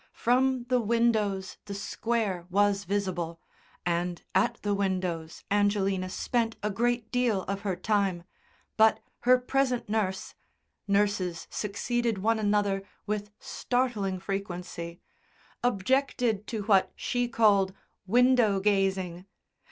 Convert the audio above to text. From the windows the Square was visible, and at the windows Angelina spent a great deal of her time, but her present nurse nurses succeeded one another with startling frequency objected to what she called "window gazing."